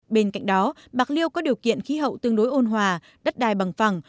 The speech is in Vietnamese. bên cạnh đó bạc liêu có điều kiện khí hậu tương đối ôn hòa đất đai bằng phẳng